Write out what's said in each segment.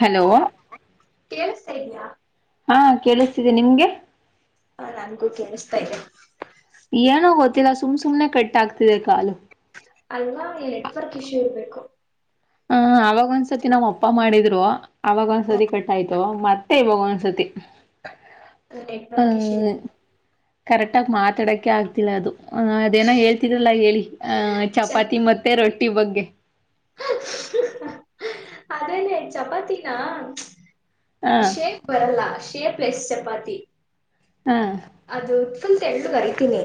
Hello ಕೇಳಿಸ್ತಾ ಇದ್ಯಾ ಹಾ ಕೇಳಿಸ್ತಿದೆ ನಿಮ್ಗೆ ಹ ನನ್ಗೂ ಕೇೇಳಸ್ತಾ ಇದೇ ಏನೋ ಗೊತ್ತಿಲ್ಲ ಸುಮ್ ಸುಮ್ನೆ ಕಟ್ಟ ಆಗ್ತಿದೆ ಕಾಲು ಅಲ್ವಾ ನೆಟ್ವರ್ಕ್ ಇಶ್ಯೂ ಇರ್ಬೇಕು ಹ ಅವಾಗ ಒಂದ್ಸತಿ ನಾವ್ ಅಪ್ಪ ಮಾಡಿದ್ರು ಅವವಾಗ ಒಂದ್ಸತಿ ಕಟ್ಟಾಯ್ತು ಮತ್ತೆ ಇವಾಗ ಒಂದ್ಸ ಸತಿ ನೆಟ್ವರ್ಕ್ ಇಶ್ಯೂ ಕರೆಕ್ಟ ಆಗ ಮಾತಾಡಕ್ಕೆೆ ಆಗ್ತಿಲ್ಲ ಅದು ಅದೇನೋ ಹೇಳ್ತಿದ್ರಲ್ಲ ಹೇಳಿ ಹಹ ಚಪಾತಿ ಮತ್ತೆ ರೊಟ್ಟಿ ಬಗ್ಗೆ ಅದೇೇ ಚಪಾತಿನ ಹ ಶೇಪ್ ಬರಲ್ಲ ಸೇಫ್ ಲೆಸ್ ಚಪಾತಿ ಹ ಅದು ಫುಲ್ಲು ತಳ್ಳಗೆ ಹರಿತಿನಿ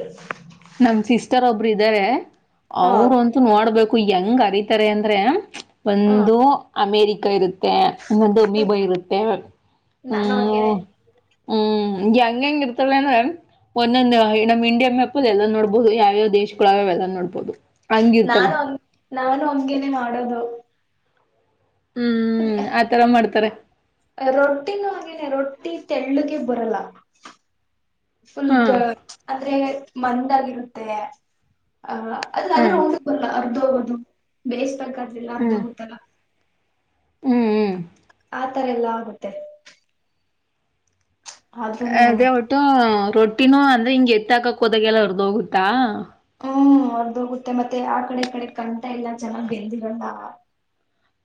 ನಮ ಸಿಸ್ಟರ್ ಒಬ್ರು ಇದಾರೆ ಹ ಅವರು ಅಂತೂ ನೋಡ್ಬೇಕು ಯಂಗ್ ಅರಿತಾರೆ ಅಂದ್ರೆ ಒಂದು ಅಮೇರಿಕ ಇರುತ್ತೆ ಇನ್ನೊಂದು ಮಿ ಬ ಇರುತ್ತೆ ನಾನು ಹ್ಮ್ ಹಂಗೇನೆ ಹ್ಮ್ಂ ಹಂಗಂಗ ಇರ್ತಲ್ಲಂದ ಒಂದೊಂದು ನಮ್ಮ್ ಇಂಡಿಯ ಮ ಲ್ ಎಲ್ಲಾ ನೋಡ್ಬಹುದು ಯಾವ್ಯಾವ ದೇಶಗಳಾಗ್ಯಾವ ಎಲ್ಲ ನೋಡ್ಬೋದು ಹಂಗಿರ್ತವೆ ನಾನು ನಾನು ಹಂಗೇನೆ ಮಾಡೋದು ಹ್ಮ್ ಆತರ ಮಾಡ್ತಾರೆ ರೊಟ್ಟಿನೂ ಹಾಗೇನೆ ರೊಟ್ಟಿ ತೆಳ್ಳುಗೆ ಬರಲ್ಲ ಫುಲ್ಗ ಹ್ಮ್ ಅಂದ್ರೆ ಮಂದಗರುತ್ತೆ ಅ ಅದಾದ್ರೂ ಹ್ಮ್ ಹೋಗದಲ್ಲ ಅರ್ಧ ಹೋಗೋದು ಬೇಯಿಸಬೇಕ್ಲಿಲ್ಲ ಅರ್ಧ ಹ್ಮ್ ಹೋಗುತ್ತಲ್ಲ ಹ್ಮ್ ಹ್ಮ್ ಆತರ ಎಲ್ಲಾ ಆಗುತ್ತೆ ಆದ್ರೂನು ದೇ ಒಟ್ಟು ರೊಟ್ಟಿನೂ ಅಂದ್ರೆ ಹಿಂಗಗೆ ಎತ್ತ ಹಾಕಕ್ ಹೋದಗೆಲ್ಲ ಹೊರದ ಹೋಗುತ್ತಾ ಹ್ಮ್ ಹೊರ್ದೋಗುತ್ತೆ ಮತ್ತೆ ಆ ಕಡೆ ಕಡೆ ಕಂಠ ಎಲ್ಲ ಚೆನ್ನಾಗ್ ಬೆಂದಿಗಳಲ್ಲ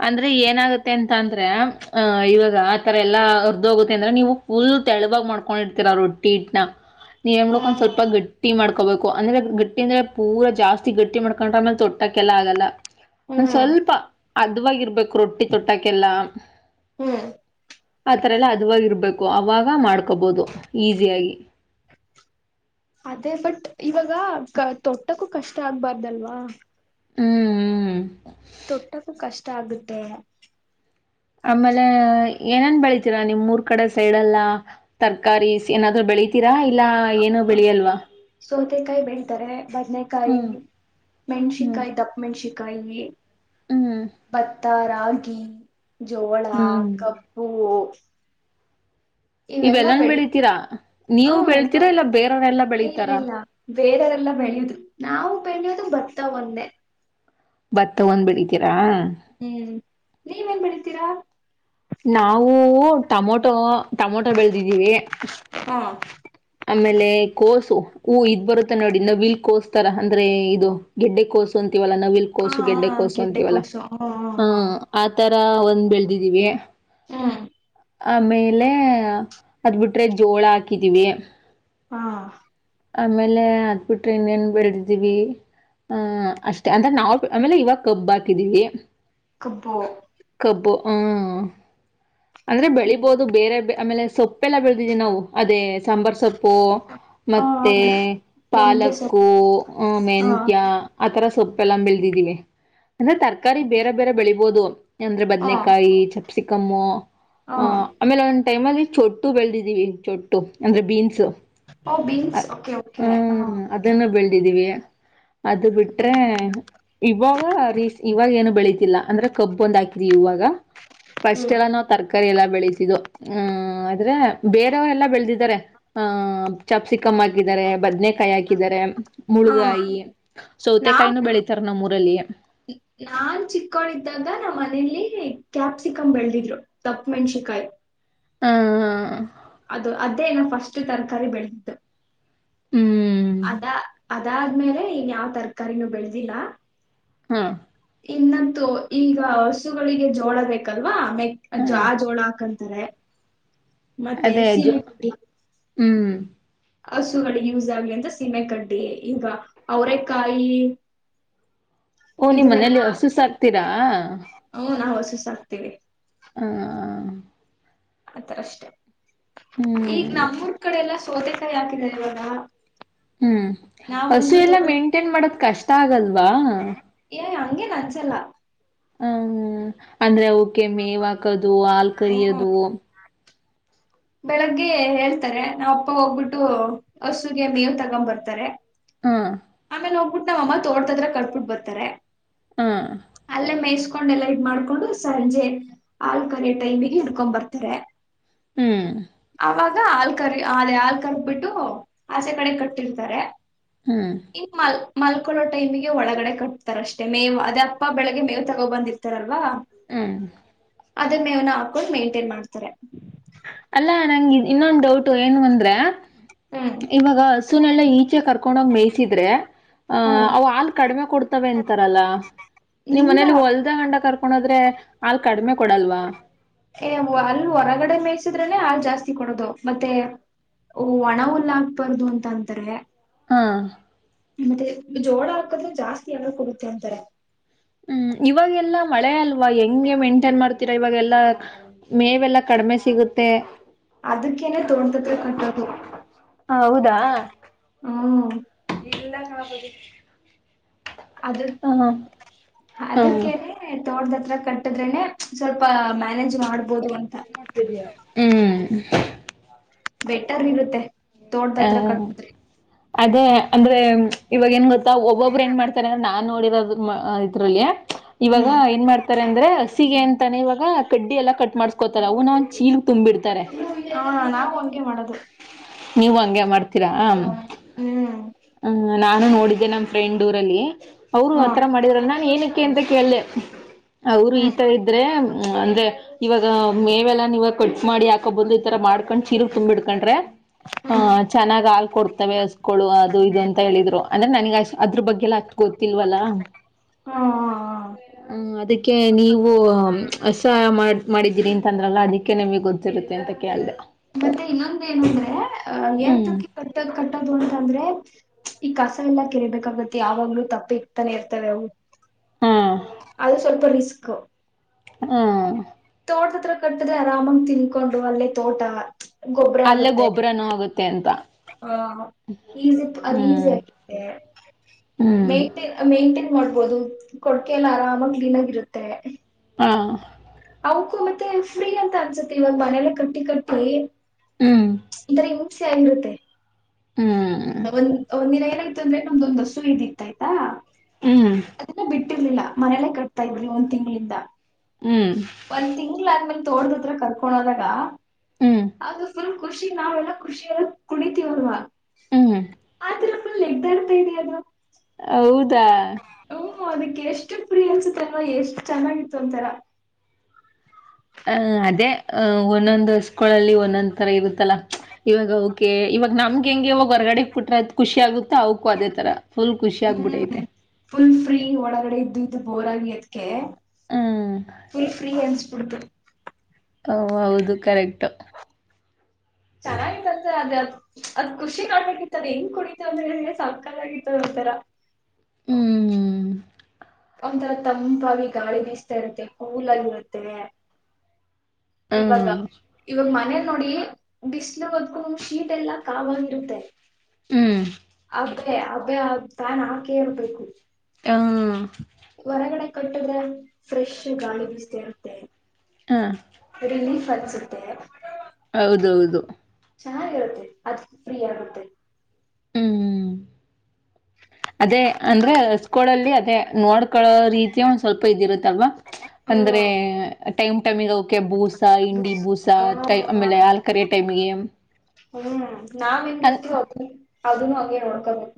ಅಂದ್ರೆ ಏನಾಗುತ್ತೆ ಅಂತ ಅಂದ್ರೆ ಅಹ ಇವಾಗ. ಆತರ ಎಲ್ಲಾ ಹರ್ದೋಗುತ್ತೆ ಅಂದ್ರೆ ನೀವು ಫುಲ್- ಫುಲ್ ತೆಳಗಮಾಡ್ಕೊಂಡಿರ್ತೀರ ರೊಟ್ಟಿ ಇಟ್ ನ ನೀ ಎನ್ಮಾಡಬೇಕ ಹ್ಮ್ ಸ್ವಲ್ಪ ಗಟ್ಟಿ ಮಾಡ್ಕೋಬೇಕು. - ಅಂದ್ರೆ ಗಟ್ಟಿ ಅಂದ್ರೆ ಪೂರ ಜಾಸ್ತಿ ಗಟ್ಟಿ ಮಾಡ್ಕೊಂಡ್ರೆ ಆಮೇಲೆ ತಟ್ಟಕ್ಕೆಲ್ಲ ಆಗಲ್ಲ. ಒಂದ ಹ್ಮ್ ಸ್ವಲ್ಪ ಅದವಾಗಿರ್ಬೇಕು ರೊಟ್ಟಿ ತಟ್ಟಕ್ಕೆಲ್ಲ. ಹ್ಮ್, [inaudible] ಆತರ ಎಲ್ಲ ಅದುವಾಗಿ ಇರ್ಬೇಕು ಅವಾಗ ಮಾಡ್ಕೊಬೋದು ಈಸಿಯಾಗಿ. ಅದೇ ಬಟ್ ಇವಾಗ ತೊಟ್ಟಕ್ಕೂ ಕಷ್ಟ ಆಗ್ಬಾರ್ದಲ್ವಾ., - ಹ್ಮ್, ಹ್ಮ್- ತೊಟ್ಟಕ್ಕೂ ಕಷ್ಟ ಆಗುತ್ತೆ. ಆಮೇಲೆ ಏನೇನ್ ಬೆಳಿತೀರಾ ನಿಮ್ ಮೂರ್ ಕಡೆ ಸೈಡ್ ಎಲ್ಲಾ ತರ್ಕಾರಿಸ್ ಏನಾದ್ರೂ ಬೆ- ಬೆಳಿತೀರಾ ಇಲ್ಲ ಏನೋ ಹ ಬೆಳಿಯಲ್ವಾ, - ಸೌತೆಕಾಯಿ ಬೆಳ್ತಾರೆ. ಹ್ಮ್ ಬದನೆಕಾಯಿ- ಹ್ಮ್ ಮೆಣಸಿಕಾಯಿ, ದಪ್ಪ ಮೆಣ್ಸಕಾಯಿ, ಹ್ಮ್ ಭತ್ತ, ರಾಗಿ - ಜೋಳ, ಹ್ಮ್ ಕಬ್ಬು- ಇವೆಲ್ಲಾ ಇವೆಲ್ಲನ್ ಬೆಳಿ, ಬೆಳಿತೀರಾ ನೀವು ಹ್ಮ ಎಲ್ಲ ಬೆಳಿತೀರಾ ಇಲ್ಲ ಬೇರೆಯವರೆಲ್ಲಾ ಇಲ್ಲ ಬೆಳಿತಾರ -ಇಲ್ಲ ಬೇರೆ- ಲ್ಲ ಬೆಳೆಯುದು ನಾವು ಬೆಳೆಯುದು ಭತ್ತ ಒಂದೇ. ಭತ್ತ ಒಂದ್ ಬಿಳಿತೀರಾ. ಹ್ಮ್, ನೀವೇನ್ ಬೆಳಿತೀರಾ., ನಾವು ಟಮೊಟೊ- ಟಮೊಟೊ ಬೆಳೆದಿದ್ದೀವಿ. ಹಾ ಆಮೇಲೆ ಕೋಸು ಹೂ ಇದ್ ಬರುತ್ತೆ. ನೋಡಿ ನ ವಿಲ್ ಕೋಸ್ತರ ಅಂದ್ರೆ ಇದು ಗೆಡ್ಡೆ ಕೋಸು ಅಂತ ಲ್ಲ ನವಿಲ್ ಹ ಕೋಸು ಗೆಡ್ಡೆಕೋಸು ಅಂತೀವಲ್ಲ ಹ ಆತರ. ಒಂದ್ ಬೆಳದಿದೀವಿ [unintelligible] ಹಾ [inaudible] ಆಮೇಲೆ ಅದ್ ಬಿಟ್ರೆ ಜೋಳ ಹಾಕಿದೀವಿ. ಹಾ, ಆಮೇಲೆ ಅತ್ಬಿಟ್ರೆ ಇನ್ನೇನ್ ಬೆಳೆದಿದ್ದೀವಿ. ಹ, ಅಷ್ಟೇ ಅಂದ್ರೆ ನಾವು ಆಮೇಲೆ ಇವಾಗ ಕಬ್ಬ ಹಾಕಿದೀವಿ. - ಕಬ್ಬೋ [inaudible] ಹ್ಮ, ಅಂದ್ರೆ ಬೆಳಿಬೋದು ಬೇರೆ ಆಮೇಲೆ ಸೊಪ್ಪೆಲ್ಲ ಬೆಳದಿದವಿ ನಾವು ಅದೇ ಸಾಂಬಾರ್ ಸೊಪ್ಪು. ಹ ಮತ್ತೆ ಮೆಂತ್ಯ ಸೊಪ್ಪು ಪಾಲಕ್ಕು, ಹಾ ಮೆಂತ್ಯ ಆತರ ಸೊಪ್ಪು ಲ್ಲ ಬೆಳದಿದೀವಿ. ಅಂದ್ರೆ ತರಕಾರಿ ಬೇರೆ -ಬೇರೆ ಬೆಳಿಬಹುದು. ಅಂದ್ರೆ ಬದ್ನೇಕಾಯಿ ಚ- ಪ್ ಸಿಕ್ಕಮ್ಮ [unintelligible] ಹ [inaudible] ಟೈಮಲ್ಲಿ ಚೊಟ್ಟು ಬೆಳೆದಿದ್ದೀವಿ ಚೊಟ್ಟು ಅಂದರೆ ಬೀನ್ಸು. ಓ ಬೀನ್ಸ್ ಓಕೆ, ಓಕೆ ಹ ಅದನ್ನು ಅದು ಬಿಟ್ರೆ ಇವಾಗ ರೀ, ಇವಾಗ ಏನು ಬೆಳ- ಅಂದ್ರೆ ಕಬ್ಬು ಒಂದ್ ಹಾಕಿದೀವಿ ಇವಾಗಪಸ್ಟ್ ಹ್ಮ್ ಎಲ್ಲ ನ ತರ್ ತ ರಕಾರಿ ಎಲ್ಲಾ ಬೆಳಿತಿದ್ದು. ಆ ಆದ್ರೆ ಬೇರೆಯವ್ ಎಲ್ಲ ಬೆಳೆದಿದ್ದಾರೆ ಆ ಚಪ್ ಸಿ- ಕ್ಯಾಪ್ಸಿಕಮ್ಮ ಹಾಕಿದರೆ. ಬದ್ನೆಕಾಯಿ ಹಾಕಿದರೆ ಹಾ ಮುಳ್ಗಾಯಿ, ಸೌತೆಕಾಯಿನ ನಾವು ಬೆಳಿತಾರ ನಮ್ಮ್ ಊರಲ್ಲಿ. ಬೆಲಿಯ [unintelligible] ನಾನ್ ಚಿಕ್ಕೊಂಳ್ಳಿದ್ದಾಗ ನಮ್ಮನೆ ಕ್ಯಾಪ್ಸಿಕಮ್ ಬೆಳದಿದ್ರು ತಪ್ಪ ಮೆಣಸಿಕಾಯಿ. ಹಾ, ಅದು ಅದೇ ನಾನು ಫಸ್ಟ್ ತರಕಾರಿ ಬೆಳೆದು- ಹ್ಮ್ ಅದಾದ್ಮೇಲೆ ಇನ್ ಯಾವ್ ತರಕಾರಿನೂ ಬೆಳೆದಿಲ್ಲ. ಹಾ ಇನ್ನ ಈಗ ಹಸುಗಳಿಗೆ ಜೋಳ ಬೇಕಲ್ವಾ ಮೆಕ್ ಹ ಆ ಜೋಳ ಹಾಕಂತಾರೆ. ಮತ್ತೆ ಅದೇ ಜ ಸೀಮಂ ಹ್ಮ್ [unintelligible] ಹಸುಗಳಿಗೆ ಯೂಸ್ ಆಗ್ಲಿ ಅಂತ ಸೀಮೆ ಕಡ್ಡಿ ಈಗ ಅವ್ರೇ ಕಾಯಿ ಓ ಇ ನಿಮ್ಮ್ ನೆನ ಮನೇಲಿ ಹ ಹಸು ಸಾಕ್ತೀರಾ ನಾ ವಸಿಸ [unintelligible] ಸಾಕ್ತವಿ [inaudible] ಹ -ಹ ಆತರ ಅಷ್ಟೆ ಈಗ ಹ್ಮ್ ನಮ್ಮೂರ್ ಕಡೆ ಎಲ್ಲ ಸೋತೆತ ಯಾಕಿದೆ ಇಲ್ವಲ್ಲ. ಹ್ಮ್- ಹಸು ಎಲ್ಲಾ ತೋಟ ಮೇಂಟೇನ್ ಮಾಡೋದ ಕಷ್ಟ ಆಗಲ್ವಾ. ಹಂಗೆ -ನ -ಅನ್ಸಲ್ಲ. ಹ್ಮ -ಅಂದ್ರೆ ಅವಕ್ಕೆ ಮೇವಾಕದು ಆಲ್ ಹ್ಮ ಕರಿದು. ಬೆಳಗ್ಗೆ ಹೇಳ್ತಾರೆ ನಾವ್ ಅಪ್ಪ ಹೋಗ್ಬಿಟ್ಟು ಹಸುಗೆ ಮೀವು ತಗೊ ಬರ್ತಾರೆ. ಹಾ ಆಮೇಲೆ ಹೋಗ್ಬಿಟ್ಟು ನಾವ್ ಅಮ್ಮ ತೋಡ್ತದ್ರ ಕಟ್ಬಿಟ್ ಬರ್ತಾರೆ ಹಾ ಅಲ್ಲೇ ಮೈಸ್. ಕೊಂಡೆಲ್ಲ ಇದ್ ಮಾಡ್ಕೊಂಡು ಸಂಜೆ ಆಲ್ ಕರೆ ಟೈಮಿಗೆ ಹಿಡ್ಕೊಂಡು ಬರ್ತಾರೆ. ಹ್ಮ್ ಆ- ಹಲ್ ಕರಿ- ಆ- ಹಾ ಕರ್ದಬಿಟ್ಟು ಆಸೆ ಕಡೆ ಕಟ್ಟಿರ್ತಾರೆ ಹ್ಮ್ ಇ್ಮಲ್ ಮಲ್ಕೊಳ್ಳೋ ಟೈಮಿಗೆ ಒಳಗಡೆ ಕಟ್ತಾರ ಅಷ್ಟೇ ಮೇವು ಅದೇ ಅಪ್ಪ ಬೆಳಿಗ್ಗೆ ಮೇವ್ ತಗೋ ಬಂದಿರ್ತಾರಲ್ವಾ. ಹ್ಮ್ ಅದನ್ ಮೇವನ ಹಾಕೊಂಡು ಮೇಂಟೈನ್ ಮಾಡ್ತಾರೆ. ಅಲ್ಲ ನಂಗೆ ಇನ್ನೊಂದು ಡೌಟ್ ಏನು ಅಂದ್ರೆ ಹ್ಮ್ ಇವಾಗ ಸುನಲ್. ಲ್ಲ- ಈಚೆ ಕರ್ಕೊಂಡೋಗ್ ಮೇಯಿಸಸಿದ್ರೆ ಅಹ್ ಹ್ಮ್ ಅವು ಹಾಲ್ ಕಡಿಮೆ ಕೊಡ್ತವೆ ಅಂತಾರಲ್ಲ. ನಿಮ್ ಮನೇಲಿ ಇಲ್ಲ ಹೊಲ್ದ ಅಂಡ ಕರ್ಕೊಂಡೋದ್ರೆ ಹಾಲ್ ಕಡಿಮೆ ಕೊಡಲ್ವಾ. ಏ -ಅಲ್ ಹೊರಗಡೆ ಮೇಯಸಿದ್ರನೆ ಹಾ ಜಾಸ್ತಿ ಕೊಡೋದು ಮತ್ತೆ. ಓ -ಒಣವುಲ್ಲಾಕ್ಬಾರ್ದು ಅಂತ ಅಂತಾರೆ. ಹಾ ಮತ್ತೆ ಜೋಳ ಹಾಕದ್ರೆ ಜಾಸ್ತಿ ಯಾರ ಕೊಡುತ್ತೆ ಅಂತಾರೆ. ಹ್ಮ್ ಇವಾಗೆಲ್ಲಾ ಮಳೆ ಅಲ್ವಾ ಹೆಂಗೆ ಮೇಂಟೈನ್ ಮಾಡ್ತೀರಾ ಇವಾಗೆಲ್ಲ ಮೇವೆಲ್ಲಾ ಕಡಿಮೆ ಸಿಗುತ್ತೆ. ಮತ್ತು ಅದಕ್ಕೇನೆ ತೋಟಡತತ್ರ ಕಟ್ಟೋದು- ಹ ಹೌದಾ ಹ್ಮ ಎಲ್ಲ ಹಣಪತಿ ಅದು ಹ್ಮ ಅದಕ್ಕೆ ತೋರ್ [unintelligible] ಕಟ್ಟಿದ್ರೆ ಸ್ವಲ್ಪ ಮ್ಯಾನೇಜ್ ಮಾಡ್, ಹ್ಮ್ ಬೆಟರ್ ಇರುತ್ತೆ ತೋಟದ ಹತ್ರ ಹ ಕಟ್ಟಿದ್ರೆ ಅದೇ ಅಂದ್ರೆ ಇವಾಗ ಏನ್ ಗೊತ್ತಾ ಒಬ್ಬೊಬ್ರು ಏನ್ ಮಾಡ್ತಾರೆ ಅಂದ್ರ ನಾ ನೋಡಿರೋದು ಇದ್ರರಲ್ಲಿ. ಇವಾಗ ಹ್ಮ್ ಏನ್ ಮಾಡ್ತಾರೆ ಅಂದ್ರೆ ಹಸಿಗೆ ಅಂತಾನೆ ಇವಾಗ ಕಡ್ಡಿ ಎಲ್ಲಾ ಕಟ್ ಮಾಡ್ಸ್ಕೋತಾರ ಅವು ನ ಚೀಲ್ ತುಂಬಿಡ್ತಾರೆ ಹಾ -ನಾವು ಅಂಗೆ ಮಾಡದು ನೀವು ಹಂಗಗೆ ಮಾಡ್ತೀರಾ ಹ್ಮ- ಹ್ಮ್ ನಾನು ನೋಡಿದ್ದೆ ನಮ್ ಫ್ರೆಂಡ್ ಊರಲ್ಲಿ ಅವ್ರು ಹ್ಮ್ ಆತರ ಮಾಡಿದ್ರಲ್ಲ ನಾನನ್ ಏನಕ್ಕೆ ಅಂತ ಕೇಳ್ದ. ಅವರು ಹ್ಮ್ ಹ್ಮ್ ಈತರ ಇದ್ರೆ ಅಂದ್ರೆ ಮೇವೆಲ್ಲ ನೀವಾಗ ಕಟ್ ಮಾಡಿಾಕ ಬಂದು ಈತರ ಮಾಡ್ಕೊಂಡ್ ಚೀರು ತುಂಬ್ಡ್ಕೊಂಡ್ರೆ ಹ್ಮ್ ಹಹ ಚೆನ್ನಾಗ್ ಹಾಲ್ ಕೊಡ್ತವೆ ಅಸ್ಕಳು ಅದು ಇದು ಅಂತ ಹೇಳಿ. ದ್ರು ಅಂದ್ರೆ ನನಗ್ ಅ್ ಅದ್ರ ಬಗ್ಗೆಲ್ಲ ಹತ್ ಗೊ ತಿಲ್ವಲ್ಲ ಹ್ಮ್ ಹ್ಮ -ಅದಕ್ಕೆ ನೀವು ಸಹಾಯ ಮಾಡ್ ಮಾಡಿದ್ದೀರಿ ಅಂತಂದ್ರಲ್ಲ ಅದಕ್ಕೆ ನಮಗೆ ಗೊತ್ತಿರುತ್ತೆ ಅಂತ ಕೇಳ್ದ. ಮತ್ತೆ ಇನ್ನೊಂದ ಏನಂದ್ರೆ ಅ ಹ್ಮ್ ಏತಕ್ಕೆ ಕಟ್ಟ ಕಟ್ಟೋದು ಅಂತಂದ್ರೆ‌ ಈ ಕಸ ಎಲ್ಲಾ ಕೆರಬೇಕಾಗತ್ತೆ ಯಾವಾಗ್ಲೂ ತಪ್ಪಿ ಇಕ್ತಾನೆ ಇರ್ತವೆ ಅವು ಹಾ ಅದು ಸ್ವಲ್ಪ ರಿಸ್ ಹಾ ಕಟ್ಟಿದ್ರೆ ಆರಾಮಂಗ ತಿನ್ಕೊಂಡು ಅಲ್ಲೇ ತೋಟ ಅಲ್ಲೇ ಗೊಬ್ಬರ ಆಗುತ್ತೆ ಅಂತ. ಹ- ಈಸಿ ಅದ ಈಸಿ ಹ್ಮ್ ಆಗೆ ಹ್ಮ್ ಮೇಂಟೇನ್ ಮೇಂಟೇನ್ ಮಾಡ್ಬೋದು ಕೊಡ್ಕೆ ಎಲ್ಲ ಆರಾಮಾಗಿ ಕ್ಲೀನ್ ಆಗರುತ್ತೆ. ಹಾ ಅವಕು ಮತ್ತೆ ಫ್ರೀ ಅಂತ ಅನ್ಸುತ್ತೆ ಇವಾಗ ಮನೇಲೆ ಕಟ್ಟಿ ಕಟ್ಟಿ. ಹ್ಮ್ ಒಂಥರ ಹಿಂಸೆ ಅನರುತ್ತೆ. ಹ್ಮ್ ಇವಗ್ ಒಂದ್ ಒಂದಿನ ಏನಾಯ್ತು ಅಂದ್ರೆ ನಮ್ದೊಂದ್ ಹಸು ಇದ್ದಿತ್ತ ಆಯ್ತಾ. ಹ್ಮ್ ಇಟ್ಟಿರ್ಲಿಲ್ಲ ಮನೇಲೆ ಕಟ್ತಾ ಇದ್ವಿ ಒಂದ್ ತಿಂಗಳಿಂದ. ಹ್ಮ್ ಒಂದ್ ತಿಂಗಳ ಆದ್ಮೇಲ್ ತೋಟದ ಹತ್ರ ಕರ್ಕೊಂಡ ಹೋದಾಗ. ಹ್ಮ್ ಅದು ಫುಲ್ ಖುಷಿ ನಾವೆಲ್ಲ ಖುಷಿ ಆದಾಗ ಕುಣಿತೀವಲ್ವಾ. ಹ್ಮ್ [unintelligible] ನೆಗದಾಡ್ತ ಇದೆ ಅದು. ಹೌದಾ ಹ್ಮ ಅದಕ್ಕ ಎಷ್ಟು ಪ್ರಿ ಅನ್ಸುತ್ತ ಅಲ್ವ ಎಷ್ಟ್ ಚೆನ್ನಾಗಿತ್ತು ಒಂತರ. ಹ ಅದೇ ಅ ಒಂದೊಂದ್ ಹಸ್ಗೊಳಲ್ಲಿ ಒಂದೊಂದ್ ತರ ಇರುತ್ತಲ್ಲಾ ಇವಾಗ ಓಕೆ. ಇವಾಗ ನಮ್ಗೆ ಹೆಂಗೆ ಹೋಗ ಹೊರಗಡೆಕ್ ಬಿಟ್ರೆ ಎಟ್ ಖುಷಿ ಆಗುತ್ತೊ ಅವ್ಕೂ ಅದೇ ತರ ಫುಲ್ ಖುಷಿ ಹ್ಮ್ ಆಗ್ಬಿಟ್ಟೈತೆ. ಫುಲ್ ಫ್ರೀ ಒಳಗಡೆ ಇದ್ದು ಇದ್ದು ಬೋರ್ ಆಗಿ ಅದ್ಕೆ ಹ್ಮ್ ಫುಲ್ ಫ್ರೀ ಅನ್ ಬಿಡ್ತು. ಹಓ ಹೌದು ಕರೆಕ್ಟ್. ಚೆನ್ನಾಗಿತ್ತಂತೆ ಅದೇ ಅದು ಅದ್ ಖುಷಿ ನೋಡಬೇಕಿತ್ತು ಹೆಂಗ್ ಕುಣಿತು ಅಂದ್ರೆ ಸಕ್ಕತಾಗಿತ್ತು ಒಂತರ. ಹ್ಮ್ ಒಂತರ ತಂಪಾಗಿ ಗಾಳಿ ಬೀಸ್ತಾ ಇರುತ್ತೆ ಕೂಲಾಗಿ ಇರುತ್ತೆ. ಇವಾಗ ಹ್ಮ್ ಇವಾಗ ಮನೆ ನೋಡಿ ಬಿಸ್ಲು ಅದ್ಕು ಶೀಟ್ ಎಲ್ಲ. ಕಾವಾಗಿರುತ್ತೆ ಹ್ಮ್ ಅಬೆ ಅಬೆ ಫ್ಯಾನ ಹಾಕೆ ಇರ್ಬೇಕು. ಹ ಕಟ್ಟದ್ರೆ ಫ್ರೆಶ್ ಗಾಳಿ ಬೀಸ್ತಾ ಇರುತ್ತೆ. ಹಾ ರಿಲೀಫ್ ಅನ್ಸುತ್ತೆ. ಹೌದೌದು ಚೆನ್ನಾಗಿರುತ್ತೆ ಅದ್ ಫ್ರೀ ಆಗುತ್ತೆ. ಹ್ಮ್ [inaudible] ಅದೇ ಅಂದ್ರೆ ನಿಮ್ಮಲ್ಲಿ ಹಸ್ಗೊಳಲ್ಲಿ ಅದೇ ನೋಡ್ಕಳೋ ರೀತಿಯ ಒಂದ ಸ್ವಲ್ಪ ಇದಿರುತ್ತಲ್ವಾ. ಅಂದ್ರೆ ಟೈಮ್ ಟೈಮಿಗ ಅವುಕ್. ಕೆ ಭೂಸಾ ಇಂಡಿ ಭೂಸಾ ಕ ಹ್ಮ್ ಅಮೇಲೆ ಹಾಲ ಕರಿಯೋ ಟೈಮಿಗೆ ಹ್ಮ್ ನಾವ್ ಅನ್ ಹೆಂಗರ್ತಿಯೊ ಅದ ಅದುನ್ನು ಹಂಗೆ ನೋಡ್ಕೋಬೇಕ.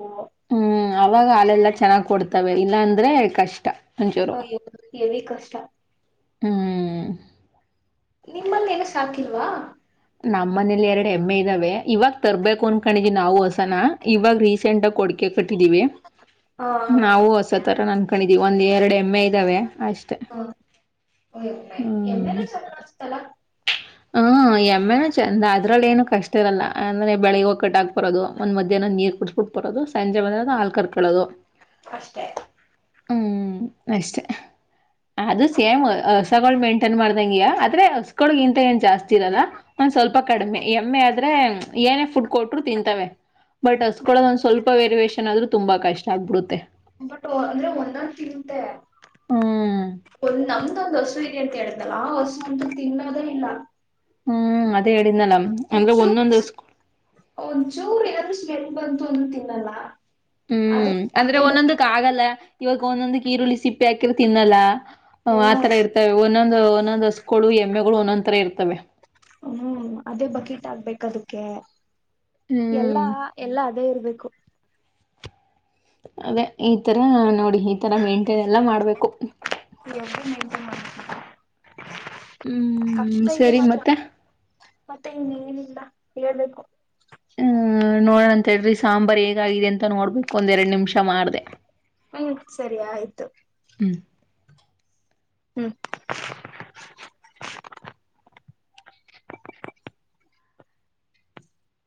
ಹ್ಮ್ ಅವಾಗ ಹಾಲೆಲ್ಲ ಚೆನ್ನಾಗ್ ಕೊಡ್ತವೆ ಇಲ್ಲಾ ಅಂದ್ರೆ ಕಷ್ಟ ಒಂಚೂರು ಹ ಎ ಹೆವಿ ಕಷ್ಟ. ಹ್ಮ್ ನಿಮ್ಮಲ್ಲೆನು ಸಾಕಿಲ್ವಾ. ನಮ್ಮ ಮನೇಲಿ ಎರಡು ಏಮ್ಮೆ ಇದಾವೆ ಇವಾಗ ತರ್ಬೇಕು ಅನ್ಕೊಂಡಿದ್ವಿ ನಾವು ಹಸಾನಾ ಇವಾಗ ರೀಸೆಂಟ್ಗ ಕೊಡಿಕೆ ಕಟ್ಟಿದೀವಿ ಹಾ ನಾವು ಹಸ ತರಣ ಆನ್ಕೊಂಡಿದೀವಿ ಒಂದ್ ಎರಡು ಎಮ್ಮೆ ಇದಾವೆ. ಹ ಓ ಎಮ್ಮೆನು ಚೆನಾಗನಿಸುತ್ತಲ್ಲ. ಹ್ಮ ಎಮ್ಮೆನು ಚಂದ. ಅದರಲ್ಲಿ ಏನು ಕಷ್ಟ ಇರಲ್ಲ ಅಂದ್ರೆ ಬೆಳಿಗ್ಗೆ ಹೋಗ್ ಕಟ್ಟ ಆಕ್ ಬರೋದು ಒಂದು ಮಧ್ಯಾಹ್ನ ನೀರು ಕುಡಿಸಸ್ಬಿಟ್ಟುರೋದು ಸಂಜೆ ಬಂದ ಆ ಹಾಲ್ ಕರಕಳದು. ಅಷ್ಟೆ ಹ್ಮ್ ಅಷ್ಟೇ ಅದು ಸೇಮ್ ಹಸಗಳ ಮೇಂಟೈನ್ ಮಾಡ್ದಂಗ್ಯ ಆದ್ರೆ ಗಿಂತ ಏನ್ ಜಾಸ್ತಿ ಇರಲ್ಲ ಒಂದ್ ಸ್ವಲ್ಪ ಕಡಿಮೆ ಎಮ್ಮೆ ಆದ್ರೆ ಏನೇ ಫುಡ್ ಕೊಟ್ರು ತಿಂತವೆ. ಬಟ್ ಹಸ್ಕೊಳದ ಒಂದ್ ಸ್ವಲ್ಪ ವೇರಿಯೇಷನ್ ಆದ್ರೂ ತುಂಬಾ ಕಷ್ಟ ಆಗ್ಬಿಡುತ್ತೆ. ಬಟ್ ವ ಅಂದ್ರೆ ಒಂದೊಂದ ತಿಂತೆ. ಹ್ಮ್ ಒಂದ್ ನಮ್ದು ಒಂದ್ ಹಸು ಇದೆ ಅಂತ ಹೇಳಿದ್ನಲ್ಲ ಆ ಹಸು ಅಂತ್ರು ತಿನ್ನೋದೇ ಇಲ್ಲ. ಹ್ಮ್ ಅದೇ ಹೇಳಿದ್ನ ನ ಅಂದ್ರೆ ಒಂಚೂರು ಒಂದೊಂದ್ ದಿವಸ್ ಕೆಲ್ ಬಂತು ಅಂದು ತಿನ್ನಲ್ಲ ಅದು ಹ್ಮ್ ಅಂದ್ರೆ ಅದೇ ಒಂದೊಂದಕ್ ಬಕೆಟ್ ಆಗಲ್ಲ ಇವಾಗ ಒಂದೊಂದ ಈರುಳ್ಳಿ ಸಿಪ್ಪಿ ಹಾಕಿರ ತಿನ್ನಲ್ಲ. ಹ ಹ್ಮ ಆತರ ಇರ್ತವೆ ಒಂದೊಂದು ಒಂದೊಂದ್ ಹಸ್ಗಳು ಎಮ್ಮೆಗಳು ಒಂದೊಂದ್ ತರ ಇರ್ತವೆ. ಹ್ಮ್ ಅದೇ ಬಕೀಟ್ ಆಗ್ಬೇಕ ಅದಕ್ಕೆ ಎಲ್ಲಾ ಹ್ಮ್ ಎಲ್ಲಾ ಅದೇ ಇರ್ಬೇಕು ಅದೇ ಈ ತರ ನೋಡಿ ಈ ತರ ಮೇಂಟೈನ್ ಎಲ್ಲ ಮಾಡ್ಬೇಕು. ಕಷ್ಟ ಹ್ಮ್ ಇದೆ ಸರಿ ಮಾತ್ರ ಮತ್ತೆ ಮತ್ತೆ ಇನ್ನೇನಿಲ್ಲ. ಹೇಳ್ಬೇಕು ಹ್ಮ್ ನೋಡಣ ಅಂತ ಹೇಳ್ರಿ ಸಾಂಬಾರ್ ಹೇಗಾಗಿದೆ ಅಂತ ನೋಡ್ಬೇಕು. ಒಂದೆರಡು ನಿಮಿಷ ಮಾಡ್ದೇ ಹ್ಮ್ ಸರಿ ಆಯ್ತು ಹ್ಮ್ ಹ್ಮ್